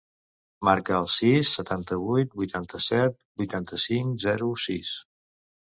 Marca el sis, setanta-vuit, vuitanta-set, vuitanta-cinc, zero, sis.